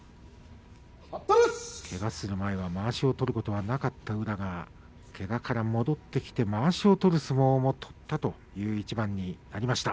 けがをする前はまわしを取ることがなかった宇良がけがから戻ってきてまわしを取る相撲も取ったという一番にもなりました。